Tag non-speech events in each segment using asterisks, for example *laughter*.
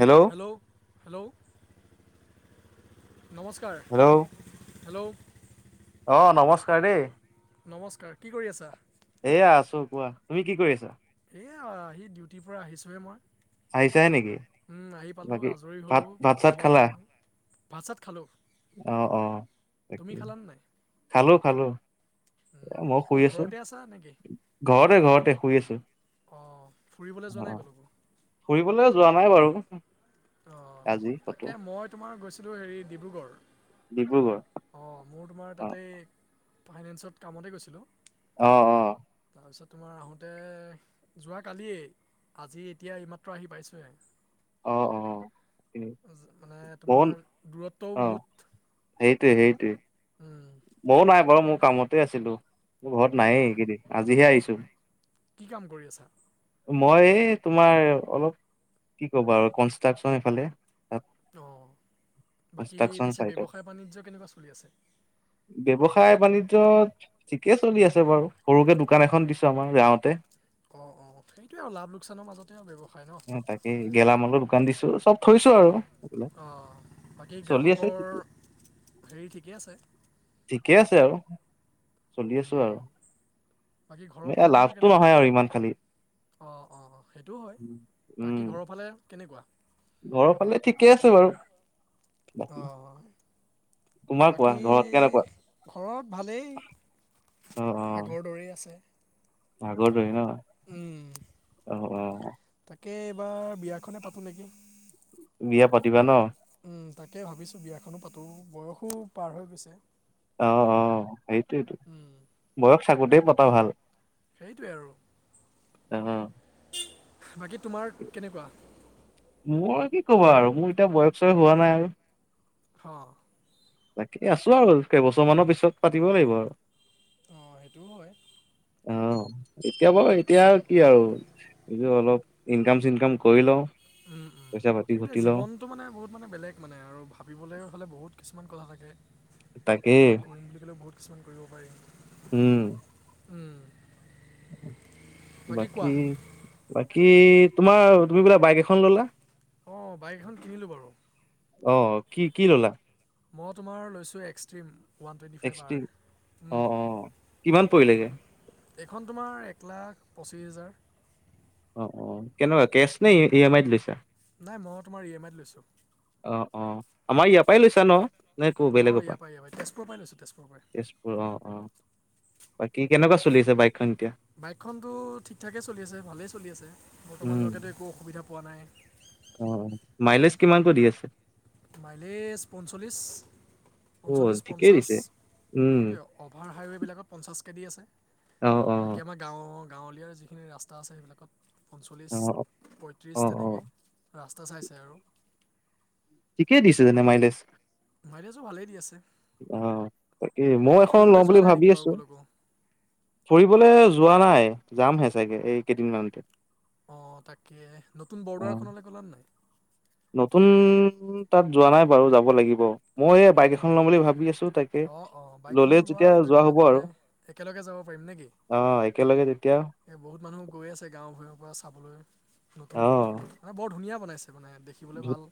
Hello? Hello? Hello? নমস্কাৰ। Hello? Hello? অ' নমস্কাৰ দেই। নমস্কাৰ। কি কৰি আছা? এয়া আছোঁ, কোৱা। তুমি কি কৰি আছা? এয়া আহি ডিউটিৰ পৰা আহিছোঁহে মই। আহিছাহে নেকি? উম, আহি পালোঁ বাকী আজৰি হ'লোঁ ভাত- খোৱা ভাত-চাত বোৱা খালা? কৰিলোঁ ভাত চাত খালোঁ অ' - অ' তুমি তাকে। খালানে নাই খালো - খালো। এ উম, মই ক'ত শুই আছোঁ। ঘৰতে আছা নেকি ঘৰতে - ঘৰতে শুই আছোঁ। অ' ফুৰিবলৈ যোৱা নাই ক'লোকো? ফুৰিবলৈ যোৱা নাই বাৰু। অ'। আজি ক'তো তাকে মই তোমাৰ গৈছিলোঁ হেৰি ডিব্ৰুগড়। ডিব্ৰুগড় অ' মোৰ তোমাৰ অ তাতে ফাইনেন্সত কামতে গৈছিলোঁ। অ' - অ'। তাৰপিছত তোমাৰ আহোঁতে যোৱাকালিয়ে আজি এতিয়া এইমাত্ৰ আহি পাইছোঁহে। অ' - অ'। মানে মন তোমাৰ দূৰত্বও অ বহুত। সেইটোৱে - সেইটোৱে। উম, ময়ো নাই বাৰু, মোৰ কামতে আছিলো। মই ঘৰত নাইয়ে অঁ এইকেইদিন। আজিহে আহিছোঁ। কি কাম কৰি আছা? মই এই তোমাৰ অলপ- কি ক'বা আৰু, কনষ্ট্ৰাকচন এইফালে। তাত অ'। বাকী কনষ্ট্ৰাকচন পিছে চাইটত ব্যৱসায় বাণিজ্য কেনেকুৱা চলি আছে? ব্যৱসায় বাণিজ্য ঠিকে চলি আছে বাৰু। সৰুকে দোকান এখন দিছোঁ আমাৰ গাঁৱতে। অ' - অ'। সেইটোৱে আৰু, লাভ-লোকচানৰ মাজতে আৰু ব্যৱসায় ন'। উম, গেলামালৰ দোকান দিছোঁ। চব থৈছোঁ আৰু। এইবিলাক অ'। বাকী চলি আছে গ্ৰাহকৰ ঠিকে হেৰি ঠিকেই আছে? ঠিকে আছে আৰু। চলি আছোঁ উম, আৰু। বাকী ঘৰৰ এ লাভটো নহয় আৰু ইমান খালি। অ' - অ' - অ', সেইটোও হয়। উম বাকী ঘৰৰফালে কেনেকুৱা? ঘৰৰ ফালে ঠিকে আছে বাৰু। অ তোমাৰ কোৱা বাকী ঘৰত কেনেকুৱা ঘৰত ভালেই, অ অ আগৰ দৰেই আছে। আগৰ দৰেই ন। উম। অ অ। তাকে এইবাৰ বিয়াখনে পাতোঁ নেকি! বিয়া পাতিবা ন? তাকে ভাবিছোঁ বিয়াখনো পাতোঁ বয়সো পাৰ হৈ গৈছে। অ অ সেইটোৱেটো। উম, বয়স থাকোতেই পতা ভাল। সেইটোৱে আৰু। অ বাকী তোমাৰ কেনেকুৱা? মোৰ কি ক'বা আৰু মোৰ এতিয়া বয়স হোৱা নাই আৰু। হ। বাকী আছো আৰু কেইবছৰ মানৰ পিছত পাতিব লাগিব আৰু। অ সেইটোও হয়। অ। অ এতিয়া বাৰু এতিয়া কি আৰু। এইবোৰ অলপ ইনকাম চিনকাম কৰি লওঁ। উম উম পইচা স পাতি ঘটি সেইটোৱেই লওঁ জীৱন সেইটো মানে বহুত মানে বেলেগ মানে আৰু। ভাবিবলৈ হ'লে বহুত কিছুমান কথা থাকে। তাকে। কৰিম বুলি ক'লে বহুত কিছুমান কৰিব পাৰি। উম। উম। বাকী বাকী, তোমাৰ তুমি বোলে বাইক এখন ললা। অ অ বাইক এখন কিনিলোঁ বাৰু। অ কি কি ললা? মই তোমাৰ লৈছোঁ extreme. One twenty five R, XT অ', উম। অ', কিমান পৰিলেগে এইখন তোমাৰ এক লাখ পঁচিছ হেজাৰ। অ অ কেনেকুৱা কেচ নে ই এম আইত লৈছা। নাই মই তোমাৰ ই এম আইত লৈছোঁ। অ অ আমাৰ ইয়াৰ পৰাই লৈছা ন? নে ক অ বেলেগৰ ইয়াৰ পৰা- ইয়াৰ পৰাই তেজপুৰৰ পৰাই লৈছো, তেজপুৰৰ পৰাই। অ তেজপুৰ অ, বাকী কেনেকুৱা চলি আছে বাইকখন এতিয়া? বাইকখনতো ঠিকঠাকেই চলি আছে, ভালেই চলি আছে। বৰ্তমানলৈকেতো একো অসুবিধা পোৱা নাই। অ অ মাইলেজ কিমানকৈ দি আছে? মাইলেজ পঞ্চল্লিছ। অ', পঞ্চল্লিছ ঠিকেই পঞ্চাছ দিছে। উম, সেইটোৱে অভাৰ হাইৱেবিলাকত পঞ্চাছ কে দি আছে। অ', বাকি অ', আমাৰ গাঁৱৰ গাঁৱলীয়া যিখিনি ৰাস্তা আছে সেইবিলাকত অ', পঞ্চল্লিছ। পঁয়ত্ৰিশ অ', অ', তেনেকে ৰাস্তা চাই চাই আৰু। ঠিকেই দিছে তেনে মাইলেজ। মাইলেজো ভালেই দি আছে অহ তাকেই মই বাকী এখন লওঁ ফুৰিবলৈ যোৱা বুলি নাই ভাবি নেকি বাৰু আছো। ক'লৈকো ফুৰিবলে যোৱা নাই, যামহে চাগে এই কেইদিনমানতে। অ তাকে, নতুন অ', বৰদোৱাখনলৈ গ'লা নে নাই? নতুন তাত যোৱা নাই বাৰু। যাব লাগিব, মই এই বাইক এখন ল'ম বুলি ভাবি আছো। অ অ বাইকখনো লোৱা লৈ পেলাই আৰু তালৈ একেলগে যাব পাৰিম নেকি? লগে তেতিয়া এই বহুত মানুহ গৈ আছে গাঁৱৰ ভূঁইৰ পৰা চাবলৈ নতুন অ', বৰদোৱাখন। মানে বৰ ধুনীয়া বনাইছে মানে দেখিবলৈ ধু ভাল,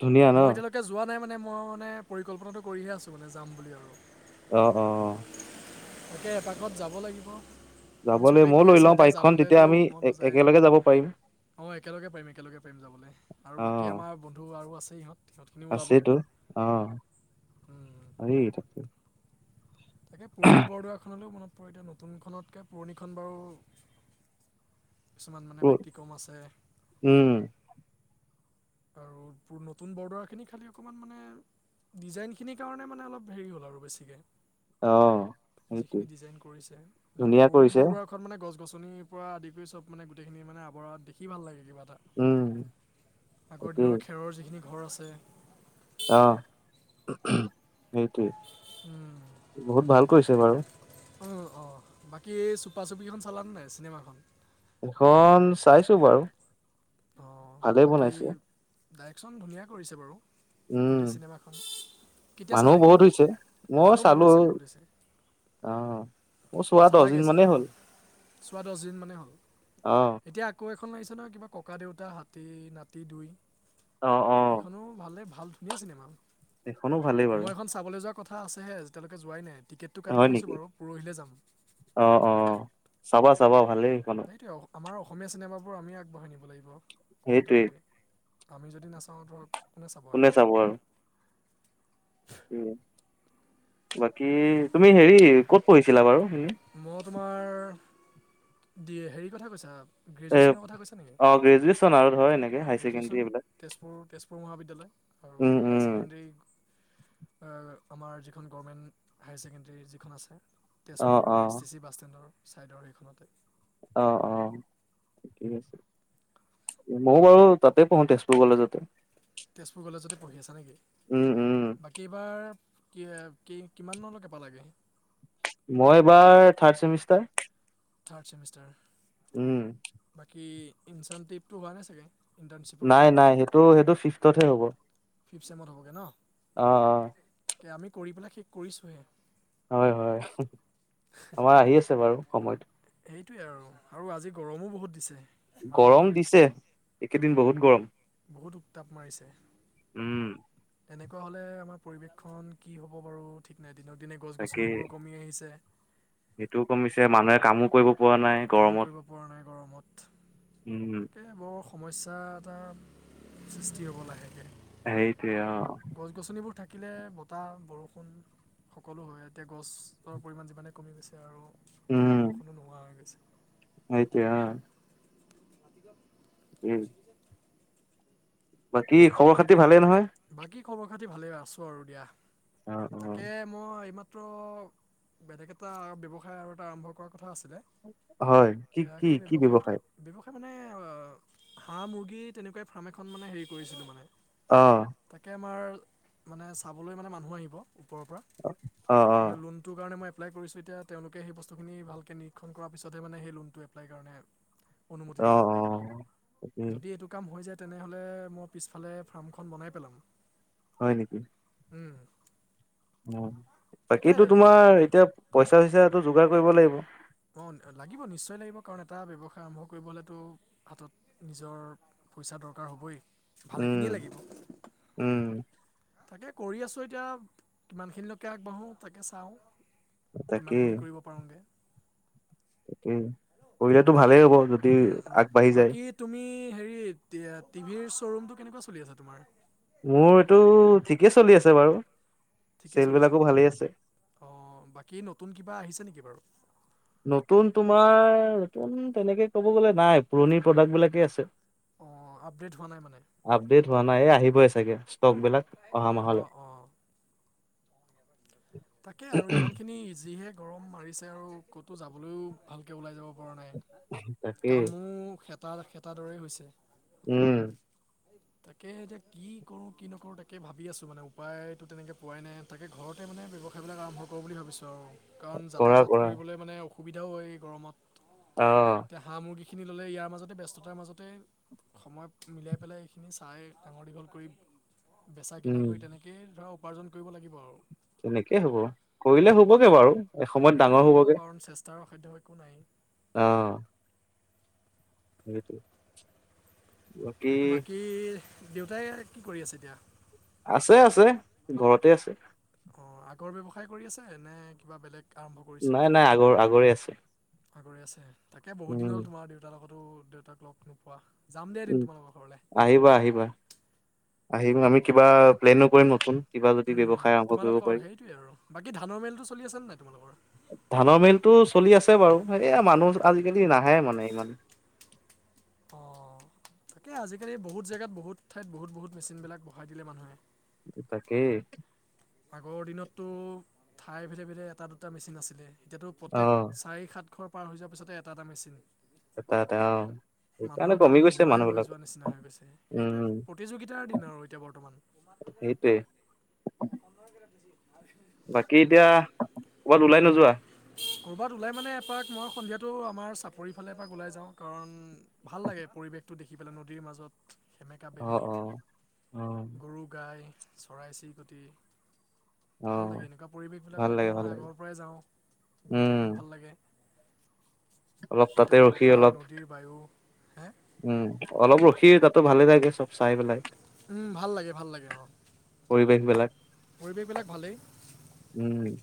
ধুনীয়া ন? মই এতিয়া তাত যোৱা নাই মানে মই মানে পৰিকল্পনাটো কৰিহে আছোঁ মানে যাম বুলি আৰু। অ, অ, অ। তাকে এপাকত যাব লাগিব। কাৰণ যাবলৈ চবেই ময়ো গৈ লৈ আছে লওঁ এতিয়া বাইকখন তেতিয়া যাবলেটো আমি এ মনটো যায়ে। একেলগে যাব পাৰিম। অঁ একেলগে পাৰিম, একেলগে পাৰিম যাবলে আৰু বাকী অ', আমাৰ বন্ধু আৰু আছে সিহঁত, সিহঁতখিনিও ওলাব। অহ, উম, এই তাকে তাকে পুৰণি বৰদোৱাখনলৈও মনত পৰে। এতিয়া নতুনখনতকে পুৰণিখন বাৰু কিছুমান মানে ব্যতিক্ৰম আছে। উম, আৰু নতুন বৰদোৱাৰখিনি খালি অকমান মানে ডিজাইন খিনি কাৰণে মানে অলপ হেৰি হ'ল আৰু বেছিকে। অহ, সেইটোৱে যিখিনি ডিজাইন কৰিছে মানে ধুনীয়া পুৰণি কৰিছে। বৰদোৱা খন মানে গছ-গছনিৰ পৰা আদি কৰি চব মানে গোটেইখিনি মানে আৱৰা দেখি ভাল লাগে কিবা এটা। উম, আগৰ তাকেই দিনৰ খেৰৰ যিখিনি ঘৰ আছে অ সেইটোৱেই, বহুত ভাল কৰিছে বাৰু। অ, অ। বাকি এই চুপা চুপিখন চালানে নাই চিনেমাখন? সেইখন চাইছো বাৰু। অ ভালেই বাকী বনাইছে। ডাইৰেকচন ধুনীয়া কৰিছে বাৰু। উম, গোটেই চিনেমাখন, কেতিয়া মানুহো চালাগে? বহুত হৈছে মানুহ বহুত হৈছে, বহুত হৈছে। অ মোৰ চোৱা দছ চালাগে দিন মানেই চিনেমাখন হ'ল। চোৱা দছ দিন মানে হ'ল। অহ, এতিয়া আকৌ এখন আহিছে নহয় কিবা ককা দেউতা হাতী নাতি দুই। অ, অ। সেইখনো ভালে ভাল ধুনীয়া চিনেমা। সেইখনো ভালে মই বাৰু। এখন চাবলৈ যোৱা কথা আছেহে। এতিয়ালৈকে যোৱাই নাই। টিকেটটো কাটি হয় থৈছো নেকি? বাৰু পৰহিলে যাম। অ, অ। চাবা, চাবা ভালেই সেইখন। এইটোৱে আমাৰ অসমীয়া চিনেমাবোৰ আমিয়ে আগবঢ়াই নিব লাগিব, কথাটো সেইটোৱে এইটোৱে। আমি যদি নাচাওঁ ধৰক কোনে চাব আহিবলে? বাকী তুমি হেৰি ক'ত পঢ়িছিলা বাৰু? মই তোমাৰ দি হেৰি কথা কৈছা? এ গ্ৰেজুৱেচনৰ কথা কৈছা নেকি? অ', *unintelligible* অ ছেকেণ্ডৰী গ্ৰেজুৱেচন এইবিলাক তেজপুৰ, তেজপুৰ মহাবিদ্যালয় আৰু উম, হায়াৰ উম। ছেকেণ্ডেৰী *inaudible* অ আমাৰ যিখন গভৰ্মেণ্ট হায়াৰ ছেকেণ্ডেৰী যিখন আছে। অ', পুৰ এছ অ', টি চি বাছ ষ্টেণ্ডৰ ছাইডৰ সেইখনতে। অ, অ ঠিক আছে। মও বাৰু তাতে পঢ়ো তেজপুৰ কলেজতে। তেজপুৰ কলেজতে পঢ়ি আছা নে কি? উম, উম। বাকী এইবাৰ কি কি কিমানলৈকে পালাগে? মই এইবাৰ থাৰ্ড চেমিষ্টাৰ। থাৰ্ড চেমিষ্টাৰ, উম, বাকী ইঞ্চানটিভটো হোৱা নাই চাগে? ইণ্টাৰ্ণশ্বিপৰ নাই হেৰি নাই সেইটো সেইটো ফিফটতহে হ'ব। ফিফ ছেমত হ'বগে ন? অ', অ', তাকে আমি কৰি পেলাই শেষ কৰিছোহে। হয়, হয়। আমাৰ আহি আছে বাৰু। সময়টো। সেইটোৱে আৰু আৰু আজি গৰমো বহুত দিছে। ইমান উত- গৰম দিছে, একেদিন বহুত গৰম। বহুত উত্তাপ মাৰিছে। উম, তেনেকুৱা হ'লে আমাৰ পৰিৱেশখন কি হ'ব বাৰু ঠিক নাই। দিনক দিনে তাকে গছ-গছনিবোৰ কমি আহিছে। সেইটোও কমিছে মানুহে কামো কৰিব পৰা নাই কাম গৰমত কৰিব পৰা নাই গৰমত উম। তাকে বৰ সমস্যা এটা সৃষ্টি হ'ব লাহেকে। সেইটো অ'। গছ-গছনিবোৰ থাকিলে বতাহ, বৰষুণ সকলো হয় এতিয়া গছৰ পৰিমাণ যিমানে কমি গৈছে আৰু উম, বতাহ-বৰষুণো নোহোৱা হৈ গৈছে। সেইটোৱে অ। মাতিবা *unintelligible* এই বাকী খবৰ-খাতি ভালে নহয়। বাকী খবৰ খাতি ভালে আছো আৰু দিয়া অ', অ', তাকে মই এইমাত্ৰ বেলেগ এটা ব্যৱসায় আৰু এটা আৰম্ভ কৰাৰ কথা আছিলে। হয়, কি তেতিয়া কি সেই কি ব্যৱসায়টো ব্যৱসায়? ব্যৱসায় মানে হাঁহ, মুৰ্গী তেনেকুৱাই ফাৰ্ম এখন মানে হেৰি কৰিছিলো মানে। অ। তাকে আমাৰ মানে চাবলৈ মানে মানুহ আহিব ওপৰৰ পৰা অ', অ'। মানে লোন তোৰ কাৰণেই মই এপ্লাই কৰিছো এতিয়া তেওঁলোকে সেই বস্তুখিনি ভালকে নিৰীক্ষণ কৰাৰ পিছত সেই লোনটো এপ্লাই কাৰণে *inaudible* অনুমতি দিব অ তাকেই যদি এইটো কাম হৈ যায় তেনেহ'লে মই পিছফালে ফাৰ্মখন এখন বনাই পেলাম। হয় নেকি? উম। বাকীটো তাকে তোমাৰ এতিয়া পইচা, চইচাটো যোগাৰ কৰিব লাগিব। অ, লাগিব নিশ্চয় লাগিব কাৰণ এটা ব্যৱসায় আৰম্ভ কৰিব হ'লেতো হাতত নিজৰ পইচা দৰকাৰ হ'বই। উম, ভালেখিনিয়ে লাগিব উম। তাকে কৰি আছো এতিয়া কিমানখিনিলৈকে আগবাঢ়ো তাকে চাও তাকেই কিমানখিনি কৰিব পাৰোগে উম, কৰিলেটো ভালেই হ'ব যদি উম উম আগবাঢ়ি যায়। বাকী তুমি হেৰি টিভিৰ শ্ব'ৰুমটো কেনেকুৱা চলি আছে তোমাৰ? মোৰ এইটো ঠিকেই চলি আছে বাৰু। ঠিকে চেল চলিছে বিলাকো ভালেই আছে অ, বাকী নতুন কিবা আহিছে নেকি বাৰু? নতুন তোমাৰ নতুন তেনেকে ক'ব গ'লে নাই, পুৰণি প্ৰডাক্ট বিলাকে আছে। অ, আপডেট হোৱা নাই মানে। আপডেট হোৱা নাই এই আহিবই চাগে ষ্টক বিলাক অহা মাহলৈ। অঁ অঁ তাকে আৰু ইমানখিনি যিহে গৰম মাৰিছে আৰু ক'তো যাবলৈও ভালকৈ ওলাই যাব পৰা নাই। তাকেই কামো খেতা, খেতাৰ দৰেই হৈছে। উম। তাকে এতিয়া কি কৰো, কি নকৰো তাকে ভাবি আছো মানে উপায়টো তেনেকে পোৱাই নাই তাকে ঘৰতে মানে ব্যৱসায়বিলাক আৰম্ভ কৰো বুলি ভাবিছো আৰু কাৰণ কৰা যাতা-যাত কৰা কৰিবলৈ মানে অসুবিধাও হয় গৰমত। অ। এতিয়া হাঁহ, মুৰ্গীখিনি ল'লে ইয়াৰ মাজতে ব্যস্ততাৰ মাজতে সময় মিলাই পেলাই এইখিনি চাই ডাঙৰ দীঘল কৰি বেচা, কিনা উম কৰি তেনেকৈ তাকেই ধৰা উপাৰ্জন কৰিব লাগিব আৰু তেনেকেই হ'ব কৰিলে হ'বগে বাৰু এসময়ত ডাঙৰ হ'বগে। তাৰ অসাধ্য একো নাই। অ। সেইটোৱেই। বাকী দেউতাই কি কৰি আছে এতিয়া। আছে আছে ঘৰতে আছে অ আগৰ ব্যৱসায় কৰি আছে নে কিবা বেলেগ আৰম্ভ নাই নাই আগৰ আগৰে আছে আগৰে আছে তাকে বহুত দিন উম হ'ল তোমাৰ দেউতাৰ লগতো দেউতাক লগ নোপোৱা যাম দে উম এদিন তোমালোকৰ ঘৰলে আহিবা আহিবা আহিম আমি কিবা প্লেনো কৰিম নতুন কিবা যদি ব্যৱসায় উম আৰম্ভ কৰিব পাৰি তোমালোকৰ সেইটোৱে আৰু বাকী ধানৰ মিলটো চলি আছে নে নাই তোমালোকৰ ধানৰ মিলতটো চলি আছে বাৰু এইয়া মানুহ আজিকালি নাহে মানে ইমান অ তাকে আজিকালি বহুত জেগাত বহুত ঠাইত বহুত বহুত মেচিনবিলাক বহাই দিলে মানুহে তাকে আগৰ দিনততো ঠাই ভেধে ভেদে এটা দুটা মেচিন আছিলে এতিয়াতো অ প্ৰত্যেক চাৰি সাত ঘৰ পাৰ হৈ যোৱাৰ পিছতে এটা এটা মেচিন এটা এটা অ সেইকাৰণে মানুহৰ কমি কাম গৈছে নোহোৱাই মানুহ হৈ বিলাক যোৱা নিচিনা হৈ গৈছে সেইটোৱে উম প্ৰতিযোগিতাৰ দিন আৰু এতিয়া বৰ্তমান *unintelligible* *unintelligible* অকণমান কেইটা বেছি আৰু বাকী এতিয়া ক'ৰবাত ওলাই নোযোৱা *unintelligible* ক'ৰবাত ওলাই মানে এপাক মই সন্ধিয়াটো আমাৰ চাপৰিৰ ফালে এপাক ওলাই যাওঁ কাৰণ ভাল লাগে পৰিৱেশটো দেখি পেলাই নদীৰ মাজত সেমেকা অ বেলি, অ অ গৰু গাই, চৰাই চিৰিকটি অ ভাল লাগে এনেকুৱা ভাল পৰিৱেশবিলাকত লাগে ভাল মই লাগে আগৰ পৰাই যাওঁ গৈ থাকিও উম, ভাল লাগে অলপ তাতে শীতল ৰখি বতাহ অলপ নদীৰ বায়ু হে উম অলপ ৰখি তাতো ভালে থাকে চব চাই পেলাই ভাল লাগে ভাল লাগে অ পৰিৱেশ বিলাক পৰিৱেশবিলাক ভালেই উম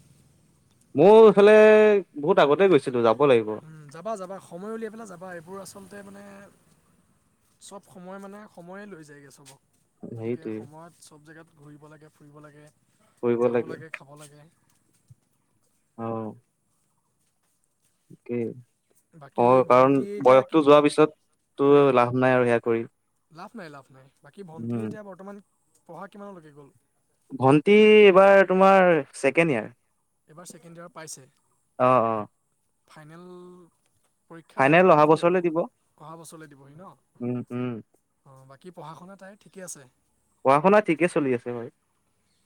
মোৰ ইফালে। যাবা যাবা সময় উলিয়াই পেলাই যাবা এইবোৰ আচলতে মানে। চব সময় মানে সময়ে লৈ যায়গৈ চবক। গতিকে হেৰিটোৱে সময়ত চব জেগাত ঘূৰিব লাগে ফুৰিব লাগে যাব লাগে খাব লাগে অ অকে বাকী ভণ্টি এতিয়া কি? পিছত তো উম লাভ নাই আৰু সেয়া কৰি লাভ নাই লাভ নাই বাকী ভন্টিয়ে উম, এতিয়া বৰ্তমান পঢ়া কিমানলৈকে গ'ল? ভণ্টি এইবাৰ তোমাৰ ছেকেণ্ড ইয়াৰ এইবাৰ ছেকেণ্ড ইয়াৰ অ', অ', পাইছে ফাইনেল। পৰীক্ষা আহি ফাইনেল অহা পাবহি বছৰলে আৰু দিব অহা বছৰলে দিবহি ন। উম উম। অ বাকী পঢ়া শুনা তাই ঠিকে আছে। পঢ়া শুনা ঠিকে চলি আছে হয়।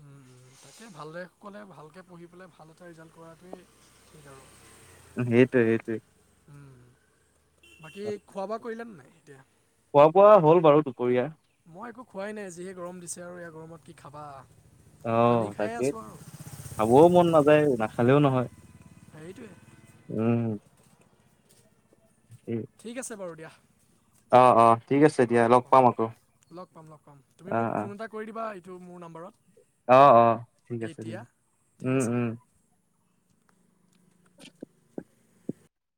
উম উম তাকে ভালদৰে সকলে ভালকৈ পঢ়ি পেলাই ভাল এটা ৰিজাল্ট কৰাটোৱেই ঠিক আৰু। সেইটোৱে সেইটোৱে উম বাকী খোৱা বোৱা কৰিলে নে নাই এতিয়া। খোৱা বোৱা হ'ল বাৰু দুপৰীয়া। মই একো খোৱাই নাই যিহে গৰম দিছে আৰু ইয়া গৰমত কি খাবা পানী অ', খায়ে তাকে আছোঁ আৰু। খাবও মন নাযায় নাখালেও নহয়। সেইটোৱে উম। ঠিক আছে বাৰু দিয়া। অ অ ঠিক আছে অ দিয়া লগ পাম আকৌ লগ পম লগ পম তুমি অ মোক অ ফোন এটা। কৰি দিবা এইটো মোৰ নাম্বৰত। অ- অ ঠিক আছে, ঠিক আছে, ঠিক উম আছে দিয়া উম।